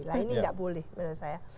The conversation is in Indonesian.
nah ini tidak boleh menurut saya